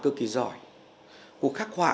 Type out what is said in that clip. cực kỳ giỏi cụ khắc họa